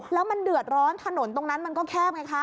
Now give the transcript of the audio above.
แล้วมันเดือดร้อนถนนตรงนั้นมันก็แคบไงคะ